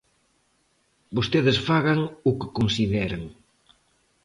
Vostedes fagan o que consideren.